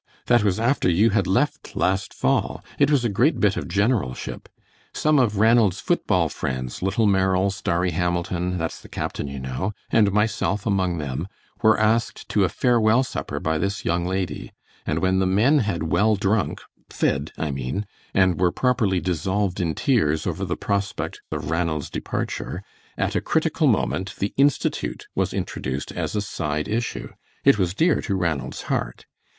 That was after you had left last fall. It was a great bit of generalship. Some of Ranald's foot ball friends, Little Merrill, Starry Hamilton, that's the captain, you know, and myself among them, were asked to a farewell supper by this young lady, and when the men had well drunk fed, I mean and were properly dissolved in tears over the prospect of Ranald's departure, at a critical moment the Institute was introduced as a side issue. It was dear to Ranald's heart.